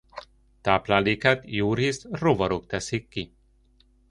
Táplálékát jórészt rovarok teszik ki.